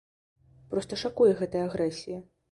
Проста шакуе гэтая агрэсія.